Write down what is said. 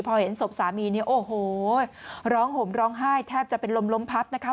พอเห็นศพสามีเนี่ยโอ้โหร้องห่มร้องไห้แทบจะเป็นลมล้มพับนะคะ